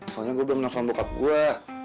soalnya gue belum telfon bokap gue